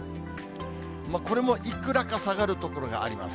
これもいくらか下がる所があります。